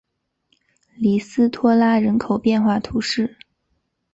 里斯托拉人口变化图示